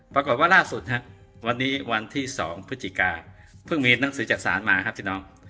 ปรากฏว่าล่าสุดครับวันนี้วันที่๒พฤศจิกาเพิ่งมีหนังสือจากศาลมาครับพี่น้อง